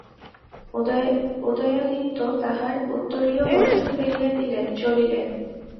উদয়াদিত্য তাঁহার উত্তরীয় বসন ফেলিয়া দিলেন, চলিলেন।